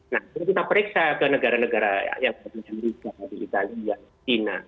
nah kalau kita periksa ke negara negara seperti amerika italia china